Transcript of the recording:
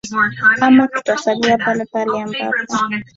ama tutasalia palepale ambapo